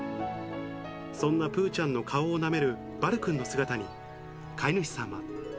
そんなぷーちゃんの顔をなめるバルくんの姿に、飼い主さんは。